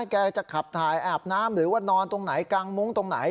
แกจะขับถ่ายอาบน้ำหรือว่านอนตรงไหนกางมุ้งตรงไหน